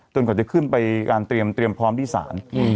ตลอดจะขึ้นไปการเตรียมพร้อมนี่สาร